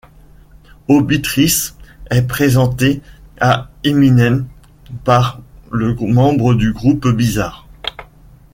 Obie Trice est présenté à Eminem par le membre du groupe Bizarre.